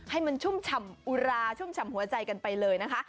ให้มันชุ่มฉ่ำอุราชุ่มฉ่ำหัวใจกันไปเลยนะคะ